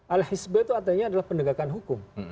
al hizbah itu artinya adalah penegakan hukum